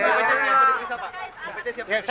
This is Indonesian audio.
siapa diperiksa pak